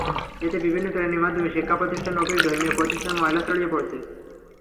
এতে বিভিন্ন প্রাণীর মাধ্যমে শিক্ষাপ্রতিষ্ঠান, অফিস, ধর্মীয় প্রতিষ্ঠানে ময়লা ছড়িয়ে পড়ছে।